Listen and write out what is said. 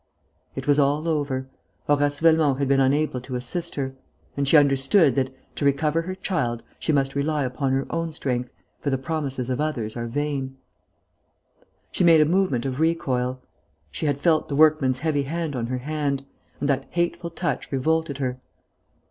It was all over. Horace Velmont had been unable to assist her. And she understood that, to recover her child, she must rely upon her own strength, for the promises of others are vain. She made a movement of recoil. She had felt the workman's heavy hand on her hand; and that hateful touch revolted her.